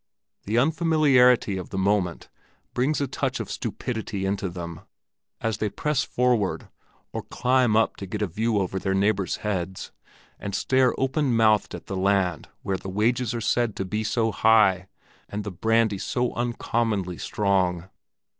The unfamiliarity of the moment brings a touch of stupidity into them, as they press forward, or climb up to get a view over their neighbors' heads and stare open mouthed at the land where the wages are said to be so high, and the brandy so uncommonly strong.